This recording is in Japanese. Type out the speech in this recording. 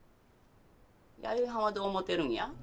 弥生はんはどう思てるんや？